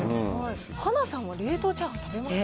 はなさんは冷凍チャーハン食べます？